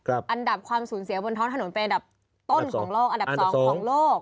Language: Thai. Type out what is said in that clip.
อันดับความสูญเสียบนท้องถนนเป็นอันดับต้นของโลกอันดับ๒ของโลก